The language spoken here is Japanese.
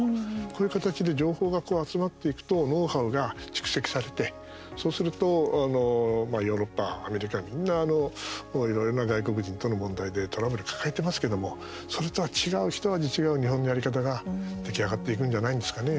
こういう形で情報が集まっていくとノウハウが蓄積されてそうするとヨーロッパ、アメリカ、みんないろんな外国人との問題でトラブル抱えていますけどもそれとは違う、ひと味違う日本のやり方が出来上がっていくんじゃないんですかね。